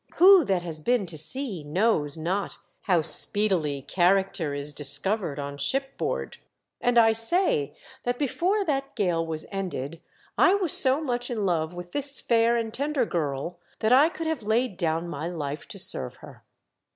Who that has been to sea knows not how speedily character is dis covered on shipboard ? And I say that before that gale was ended I was so much in love with this fair and tender girl that I could have laid down my life to serve her.